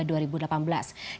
kita akan lihat terlebih